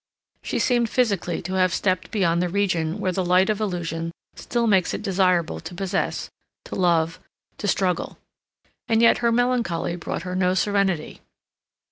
She seemed physically to have stepped beyond the region where the light of illusion still makes it desirable to possess, to love, to struggle. And yet her melancholy brought her no serenity.